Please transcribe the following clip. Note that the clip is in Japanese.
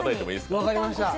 分かりました！